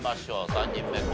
３人目昴